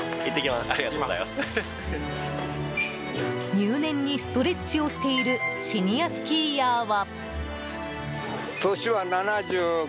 入念にストレッチをしているシニアスキーヤーは。